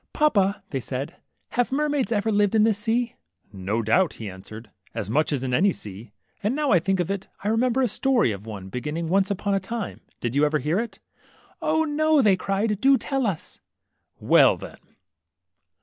Papa/' said they, have mermaids ever lived in this sea ?" ^^No doubt," he answered, ^^as much as in any sea ; and now I think of it, I remember a story of one, beginning, ^ Once upon a time ;' did you ever hear it?" 0, no," they cried ; do tell us !" ^^Well then."